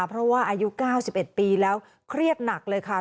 เพราะว่าอายุ๙๑ปีแล้วเครียดหนักเลยค่ะ